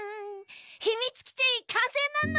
ひみつきちかんせいなのだ！